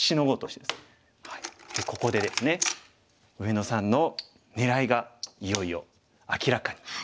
でここでですね上野さんの狙いがいよいよ明らかに。